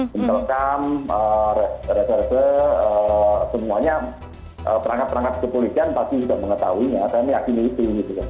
misalkan rada rada semuanya perangkat perangkat kepolisian pasti sudah mengetahuinya dan yakin itu